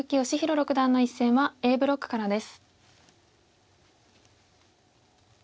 六段の一戦はＡブロックからです。